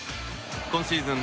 今シーズン